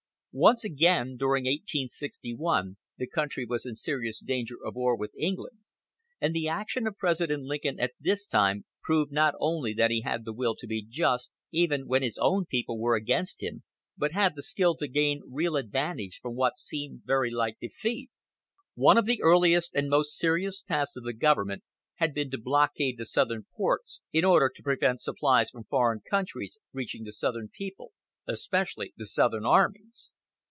Once again during 1861 the country was in serious danger of war with England, and the action of President Lincoln at this time proved not only that he had the will to be just, even when his own people were against him, but had the skill to gain real advantage from what seemed very like defeat. One of the earliest and most serious tasks of the Government had been to blockade the southern ports, in order to prevent supplies from foreign countries reaching the southern people, especially the southern armies.